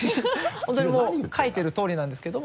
本当にもう書いてる通りなんですけども。